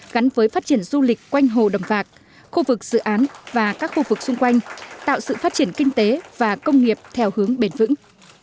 gắn với phát triển du lịch quanh hồ đầm vạc khu vực dự án và các khu vực xung quanh tạo sự phát triển kinh tế và công nghiệp theo hướng bền vững